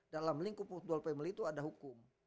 dalam lingkup football family itu ada hukum